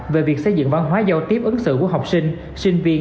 về việc xây dựng văn hóa giao tiếp ứng xử của học sinh sinh viên